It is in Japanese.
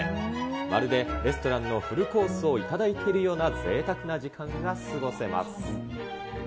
まるでレストランのフルコースを頂いているような、ぜいたくな時間が過ごせます。